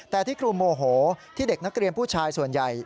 แต่ที่ครูโมโหที่เด็กนักเรียนผู้ชายส่วนใหญ่